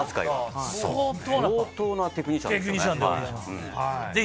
相当なテクニシャンですよね。